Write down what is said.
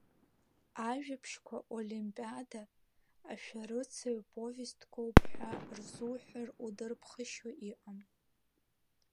Ажәабжьқәа Олимпиада, Ашәарыцаҩ повестқәоуп ҳәа рзуҳәар удырԥхашьо иҟам.